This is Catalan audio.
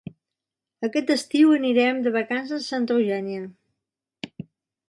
Aquest estiu anirem de vacances a Santa Eugènia.